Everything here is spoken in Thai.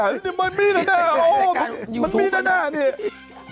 เยี่ยมันมีหน้าน่าโอ้ยมันมีหน้าน่าน่า